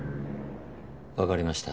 わかりました。